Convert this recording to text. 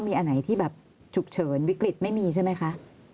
มีอันไหนที่แบบฉุกเฉินวิกฤตไม่มีใช่ไหมคะ